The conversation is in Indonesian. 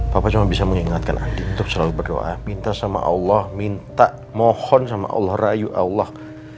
papa cuma bisa mengingatkan andi untuk selalu berdoa minta sama allah minta mohon sama allah rayu allah